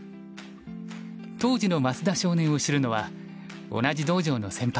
当時の増田少年を知るのは同じ道場の先輩